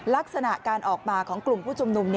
ลักษณะการออกมาของกลุ่มผู้ชุมนุม